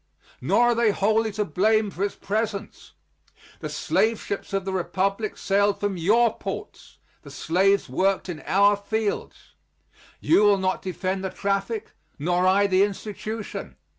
Nor are they wholly to blame for its presence. The slave ships of the Republic sailed from your ports, the slaves worked in our fields. You will not defend the traffic, nor I the institution.